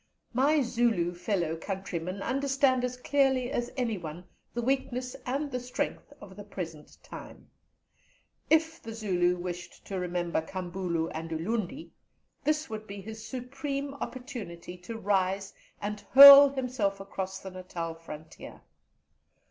My Zulu fellow countrymen understand as clearly as anyone the weakness and the strength of the present time. If the Zulu wished to remember Kambula and Ulundi, this would be his supreme opportunity to rise and hurl himself across the Natal frontier.